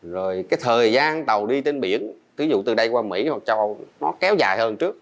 rồi cái thời gian tàu đi trên biển ví dụ từ đây qua mỹ hoặc châu nó kéo dài hơn trước